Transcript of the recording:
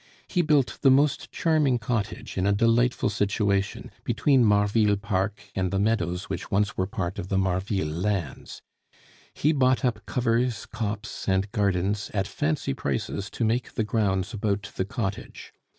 He built the most charming cottage in a delightful situation, between Marville Park and the meadows which once were part of the Marville lands; he bought up covers, copse, and gardens at fancy prices to make the grounds about the cottage.